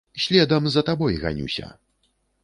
Следам за табой ганюся.